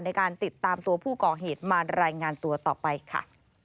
ในการติดตามตัวผู้ก่อเหตุมารายงานตัวต่อไปค่ะ